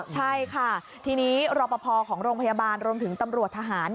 ใช่ค่ะทีนี้รอปภของโรงพยาบาลรวมถึงตำรวจทหาร